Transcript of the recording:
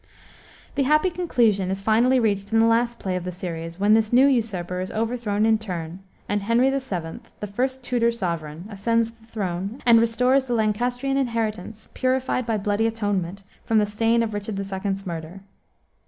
The happy conclusion is finally reached in the last play of the series, when this new usurper is overthrown in turn, and Henry VII., the first Tudor sovereign, ascends the throne, and restores the Lancastrian inheritance, purified, by bloody atonement, from the stain of Richard II.'s murder.